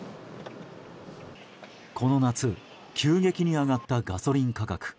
この夏、急激に上がったガソリン価格。